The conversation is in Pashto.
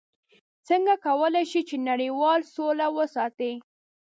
څنګه کولی شي چې نړیواله سوله وساتي؟